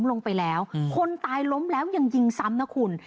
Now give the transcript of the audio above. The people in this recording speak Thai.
ลงไปแล้วคนตายล้มแล้วยังยิงซ้ำนะคุณ